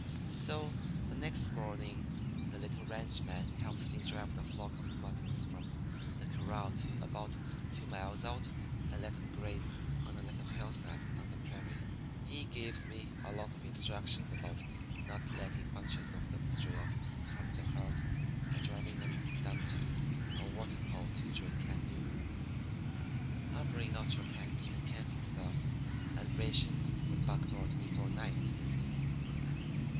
"So the next morning the little ranchman helps me drive the flock of muttons from the corral to about two miles out and let 'em graze on a little hillside on the prairie. He gives me a lot of instructions about not letting bunches of them stray off from the herd, and driving 'em down to a water hole to drink at noon. "'I'll bring out your tent and camping outfit and rations in the buckboard before night,' says he.